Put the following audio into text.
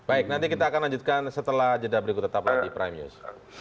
baik nanti kita akan lanjutkan setelah jeda berikut tetaplah di prime news